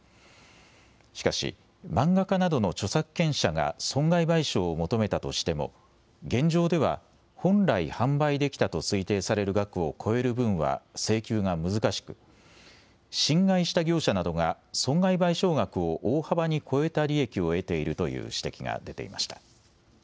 しかし漫画家などの著作権者が損害賠償を求めたとしても現場では本来販売できたと推定される額を超える分は請求が難しく侵害した業者などが損害賠償額を大幅に超えた利益を得ているという指摘が出ていました。